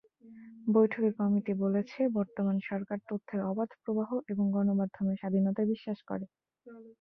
বৈঠকে কমিটি বলেছে, বর্তমান সরকার তথ্যের অবাধ প্রবাহ এবং গণমাধ্যমের স্বাধীনতায় বিশ্বাস করে।